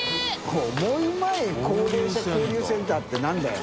「オモウマい高齢者交流センター」って何だよ。